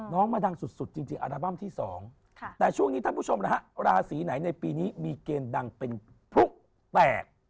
มาดังสุดจริงอัลบั้มที่๒แต่ช่วงนี้ท่านผู้ชมนะฮะราศีไหนในปีนี้มีเกณฑ์ดังเป็นพลุกแตก